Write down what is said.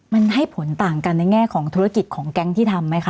มันให้ผลต่างกันในแง่ของธุรกิจของแก๊งที่ทำไหมคะ